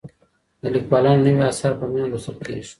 د ليکوالانو نوي اثار په مينه لوستل کېږي.